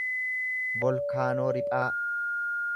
volkaanoo riphaa